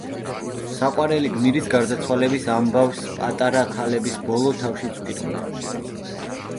საყვარელი გმირის გარდაცვალების ამბავს „პატარა ქალების“ ბოლო თავშიც ვკითხულობთ.